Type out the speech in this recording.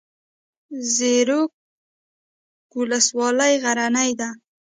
زیروک ولسوالۍ غرنۍ ده؟